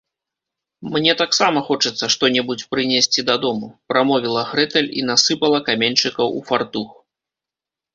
- Мне таксама хочацца што-небудзь прынесці дадому, - прамовіла Грэтэль і насыпала каменьчыкаў у фартух